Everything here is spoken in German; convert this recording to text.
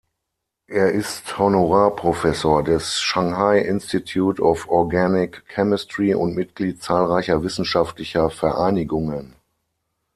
Er ist Honorarprofessor des Shanghai Institute of Organic Chemistry und Mitglied zahlreicher wissenschaftlicher Vereinigungen.